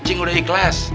cing udah ikhlas